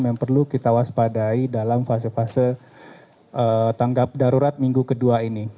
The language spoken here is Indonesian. yang perlu kita waspadai dalam fase fase tanggap darurat minggu kedua ini